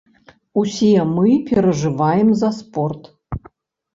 Усе мы перажываем за спорт.